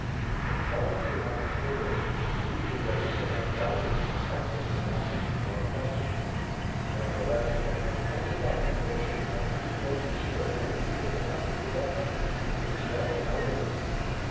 But he volunteered nothing further and Louis de Galisonnière's delicacy kept him from asking any more questions. Nevertheless he had an intensified conviction that three most extraordinary people had come to Quebec, and he was glad to know them.